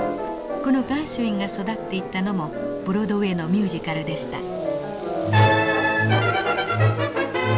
このガーシュウィンが育っていったのもブロードウェイのミュージカルでした。